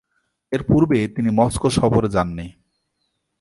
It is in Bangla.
এরপূর্বে তিনি মস্কো সফরে যাননি।